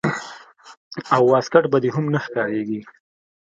او واسکټ به دې هم نه ښکارېږي.